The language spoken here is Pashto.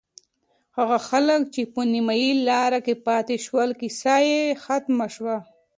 هغه خلک چې په نیمه لاره کې پاتې شول، کیسه یې ختمه شوه.